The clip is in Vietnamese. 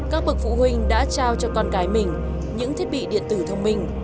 các bậc phụ huynh đã trao cho con gái mình những thiết bị điện tử thông minh